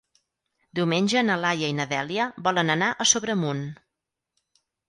Diumenge na Laia i na Dèlia volen anar a Sobremunt.